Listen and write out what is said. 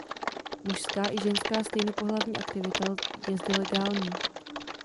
Mužská i ženská stejnopohlavní aktivita je zde legální.